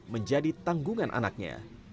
menjadi tanggungan anaknya